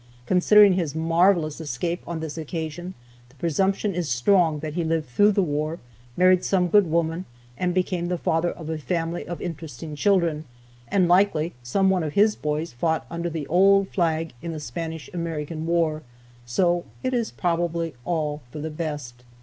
Considering his marvelous escape on this occasion, the presumption is strong that he lived through the war, married some good woman, and became the father of a family of interesting children, and likely some one of his boys fought under the old flag in the Spanish American War, so it is probably all for the best.